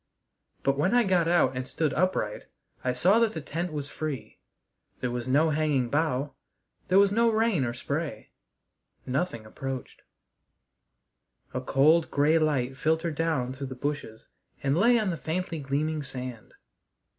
But when I got out and stood upright I saw that the tent was free. There was no hanging bough; there was no rain or spray; nothing approached. A cold, gray light filtered down through the bushes and lay on the faintly gleaming sand.